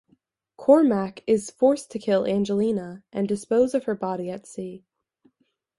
Cormac is forced to kill Angelina and dispose of her body at sea.